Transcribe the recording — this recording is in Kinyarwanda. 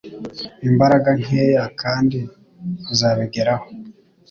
Imbaraga nkeya, kandi uzabigeraho.